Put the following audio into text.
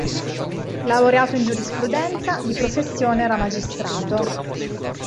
Laureato in giurisprudenza, di professione era magistrato.